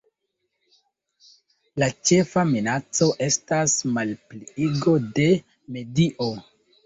La ĉefa minaco estas malpliigo de medio.